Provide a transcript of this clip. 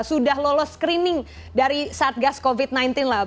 sudah lolos screening dari satgas covid sembilan belas lah